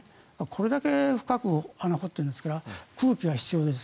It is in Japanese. これだけ深く穴を掘っているんですから空気が必要です。